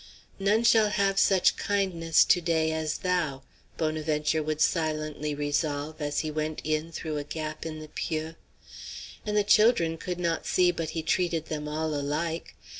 "None shall have such kindness to day as thou," Bonaventure would silently resolve as he went in through a gap in the pieux. And the children could not see but he treated them all alike.